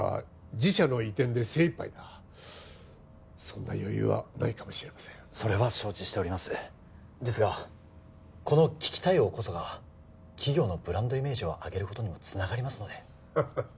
自社の移転で精いっぱいだそんな余裕はないかもしれませんそれは承知しておりますですがこの危機対応こそが企業のブランドイメージを上げることにもつながりますのでハハハッ